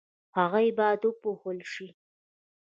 هغوی باید وپوهول شي.